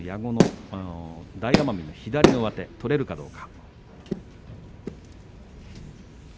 大奄美、左上手が取れるかどうか。